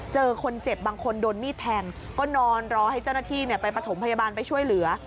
เจอคนเจ็บบางคนโดนมีดแทงก็นอนรอให้เจ้าหน้าที่ไปประถมพยาบาลไปช่วยเหลือ